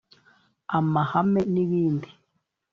amahame n’ibindi